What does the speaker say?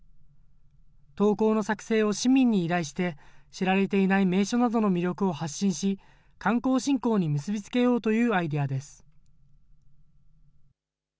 投稿の作成を市民に依頼して、知られていない名所などの魅力を発信し、観光振興に結びつけようというアイデアです。